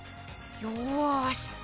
よし！